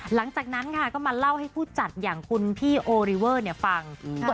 หลังจากนั้นค่ะก็มาเล่าให้ผู้จัดอย่างคุณพี่โอริเวอร์ฟัง